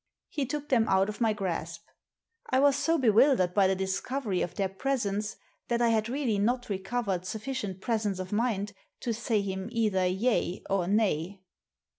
He took them out of my grasp. I was so be wildered by the discovery of their presence that I had really not recovered sufficient presence of mind to say him either yea or nay.